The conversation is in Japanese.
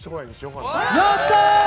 やったー！